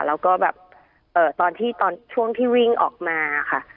แล้วก็แบบตอนที่ตอนช่วงที่วิ่งออกมาค่ะ